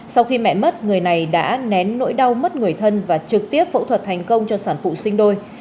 sau khi mẹ mất người này đã nén nỗi đau mất người thân và trực tiếp phẫu thuật thành công cho sản phụ sinh đôi